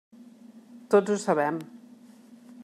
Tots ho sabem.